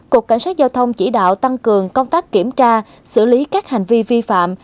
cục cảnh sát giao thông chỉ đạo tăng cường công tác kiểm tra xử lý các hành vi vi phạm